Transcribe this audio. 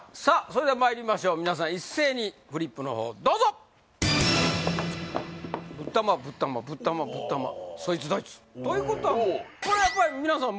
それではまいりましょう皆さん一斉にフリップのほうどうぞということはこれはやっぱり皆さん